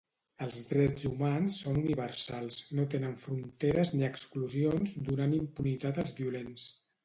Els drets humans són universals no tenen fronteres ni exclusions donant impunitat als violents